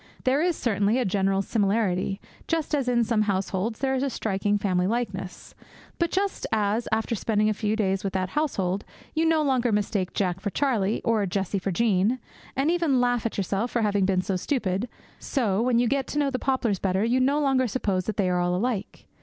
There is certainly a general similarity, just as, in some households, there is a striking family likeness. But just as, after spending a few days with that household, you no longer mistake Jack for Charlie, or Jessie for Jean, and even laugh at yourself for ever having been so stupid, so, when you get to know the poplars better, you no longer suppose that they are all alike.